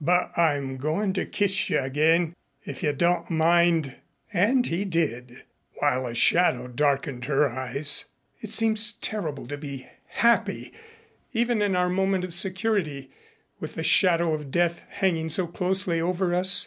But I'm going to kiss you again if you don't mind." And he did, while a shadow darkened her eyes. "It seems terrible to be happy, even in our moment of security, with the shadow of death hanging so closely over us.